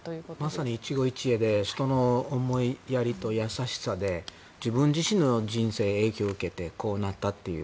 まさに一期一会でその思いやりと優しさで自分自身の人生に影響を受けてこうなったという。